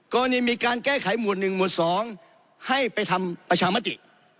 ก็ยังมีการแก้ไขหมวดหนึ่งหมวดสองให้ไปทำประชามาติ